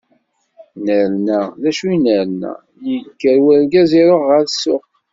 Nerna, d acu i nerna, yekker urgaz iruḥ ɣer ssuq.